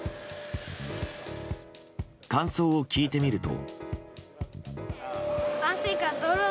感想を聞いてみると。